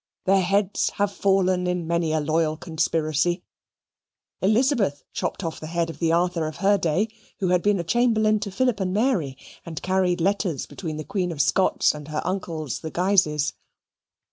Their heads have fallen in many a loyal conspiracy. Elizabeth chopped off the head of the Arthur of her day, who had been Chamberlain to Philip and Mary, and carried letters between the Queen of Scots and her uncles the Guises.